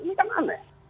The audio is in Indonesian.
ini kan aneh